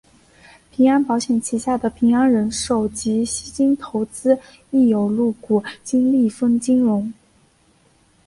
平安保险旗下的平安人寿及西京投资亦有入股金利丰金融。